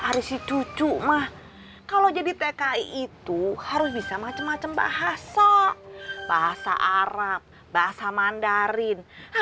ah with to mac kalau jadi teka itu harus bisa macem ah setah bahasa arab bahasa mandarin